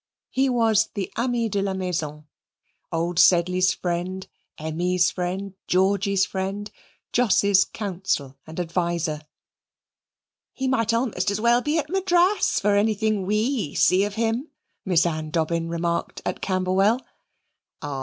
He was the ami de la maison old Sedley's friend, Emmy's friend, Georgy's friend, Jos's counsel and adviser. "He might almost as well be at Madras for anything WE see of him," Miss Ann Dobbin remarked at Camberwell. Ah!